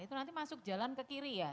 itu nanti masuk jalan ke kiri ya